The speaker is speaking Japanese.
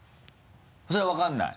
それは分からない？